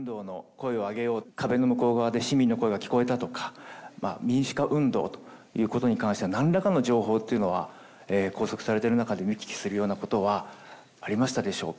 壁の向こう側で市民の声が聞こえたとかまあ民主化運動ということに関しては何らかの情報というのは拘束されている中で見聞きするようなことはありましたでしょうか？